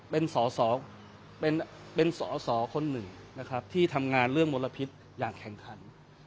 เป็นสอสอคนหนึ่งนะครับที่ทำงานเรื่องมลพิษอย่างแข่งขัน